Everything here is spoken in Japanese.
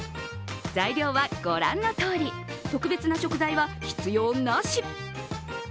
材料は御覧のとおり特別な食材は必要なし。